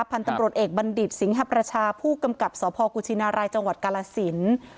พันธุ์ตำรวจเอกบัณฑิตสิงหประชาผู้กำกับสพกุชินารายจังหวัดกาลสิน